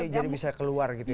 jadi bisa keluar gitu ibu